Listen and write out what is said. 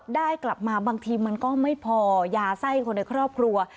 ได้กลับมาบางทีมันก็ไม่พอยาไส้คนในครอบครัว